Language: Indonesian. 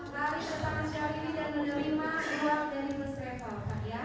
lari ke tangan saya hari ini dan menerima uang dari persyaratan pak